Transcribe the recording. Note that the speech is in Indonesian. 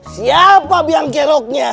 siapa yang geroknya